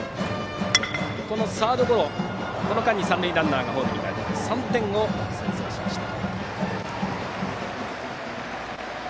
サードゴロの間にサードランナーホームにかえって３点を先制しました。